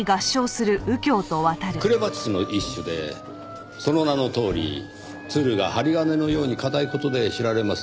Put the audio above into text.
クレマチスの一種でその名のとおりツルが針金のように硬い事で知られます。